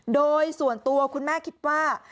โดยส่วนตัวคุณแม่คิดว่า